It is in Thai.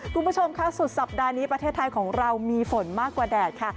คุณผู้ชมค่ะสุดสัปดาห์นี้ประเทศไทยของเรามีฝนมากกว่าแดดค่ะ